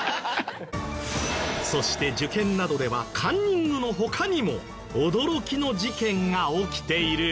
そして受験などではカンニングの他にも驚きの事件が起きている。